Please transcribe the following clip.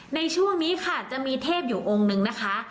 ในช่วงนี้ค่ะจะมีเทพอยู่องค์นึงนะคะ